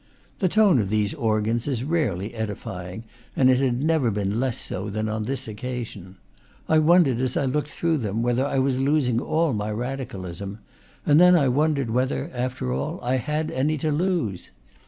The tone of these organs is rarely edifying, and it had never been less so than on this occasion. I wondered, as I looked through them, whether I was losing all my radicalism; and then I wondered whether, after all, I had any to lose.